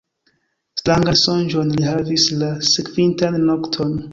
Strangan sonĝon li havis la sekvintan nokton.